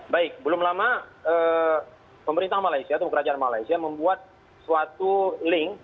baik belum lama pemerintah malaysia atau kerajaan malaysia membuat suatu link